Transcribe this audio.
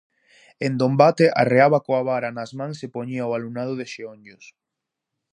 En Dombate, arreaba coa vara nas mans e poñía o alumnado de xeonllos.